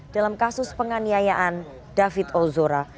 dalam kasus penganiayaan david ozora